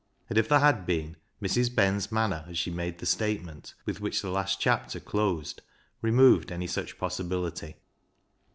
And if there had been, Mrs. Ben's manner as she made the statement with which the last chapter closed removed any such possibility.